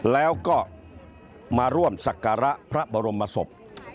แล้วก็มาร่วมสักการะพระบรมศพ